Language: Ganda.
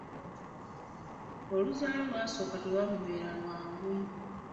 Oluzaalo olwasooka telwamubeerera lwangu.